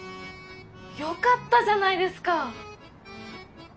よかったじゃないですか！